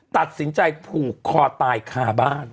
ตัดสินใจผูกคอตายคาบ้าน